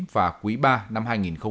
và quý iii năm hai nghìn một mươi chín